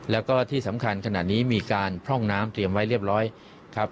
แล้วก็ที่สำคัญขณะนี้มีการพร่องน้ำเตรียมไว้เรียบร้อยครับ